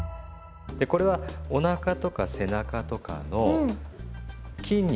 これはおなかとか背中とかの筋肉ね。